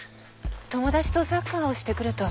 友達とサッカーをしてくると。